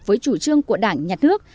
với chủ trương của đảng nhà nước